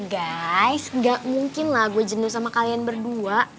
guys gak mungkin lah gue jenuh sama kalian berdua